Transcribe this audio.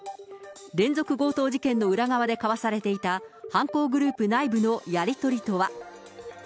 連続強盗事件の裏側で交わされていた、犯行グループ内部のやり取りとは。